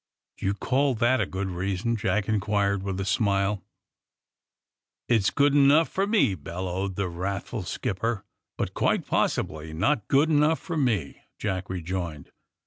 '' *^Do you call that a good reason!" Jack in quired, with a smile. *^It's good enough for me," bellowed the wrathful skipper. ^ *But quite possibly not good enough for me, '' Jack rejoined.